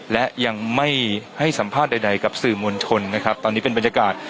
และยังไม่ให้สัมภาษณ์ใดกับสื่อมวลชนนะครับตอนนี้เป็นบรรยากาศ